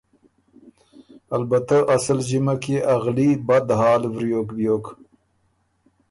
البته اسل ݫِمک يې ا غلي بد حال وریوک بیوک۔